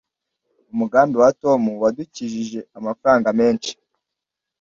umugambi wa tom wadukijije amafaranga menshi